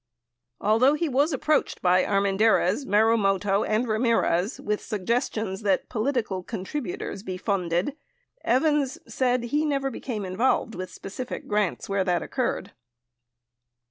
Although he was approached by Armendariz, Marumoto, and Ramirez with sug gestions that political contributors be funded, Evans said he never became involved with specific grants where that occurred.